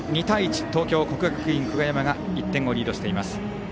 ２対１と東京・国学院久我山が１点をリードしています。